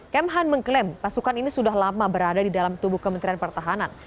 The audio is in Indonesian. kemhan mengklaim pasukan ini sudah lama berada di dalam tubuh kementerian pertahanan